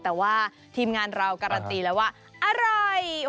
แต่ว่าทีมงานเราการันตีแล้วว่าอร่อย